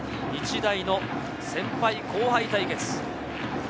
日大の先輩後輩対決。